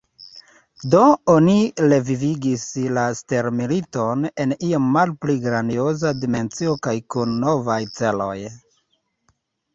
Do oni revivigis la stelmiliton, en iom malpli grandioza dimensio kaj kun novaj celoj.